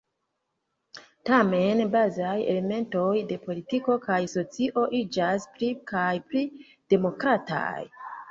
Tamen bazaj elementoj de politiko kaj socio iĝas pli kaj pli demokrataj.